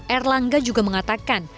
erlangga juga mengatakan